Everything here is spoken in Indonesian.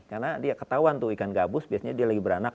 karena dia ketahuan tuh ikan gabus biasanya dia lagi beranak